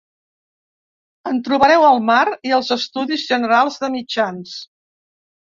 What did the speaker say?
En trobareu al mar i als estudis generals de mitjans.